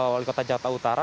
wali kota jakarta utara